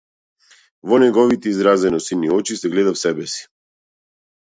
Во неговите изразено сини очи се гледав себеси.